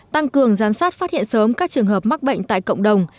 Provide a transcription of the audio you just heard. tăng cường giám sát phát hiện sớm các trường hợp mắc bệnh tại cộng đồng